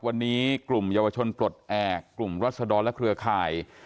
วันนี้กลุ่มเยาวชนปลดแอบกลุ่มรัศดรและเครือข่าย